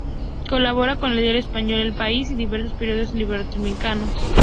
Colabora con el diario español "El País" y diversos periódicos iberoamericanos.